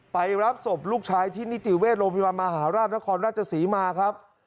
ไปรับศพลูกชายที่นิติเวชโรงพยาบาลมหาราชนครราชศรีมาครับ